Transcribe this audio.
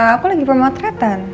aku lagi pemotretan